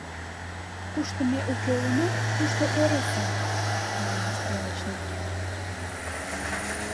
— Кушто ме уке улына, тушто эре сай, — мане стрелочник.